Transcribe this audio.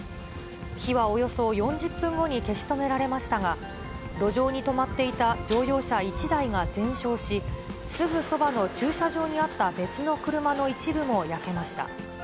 火はおよそ４０分後に消し止められましたが、路上に止まっていた乗用車１台が全焼し、すぐそばの駐車場にあった別の車の一部も焼けました。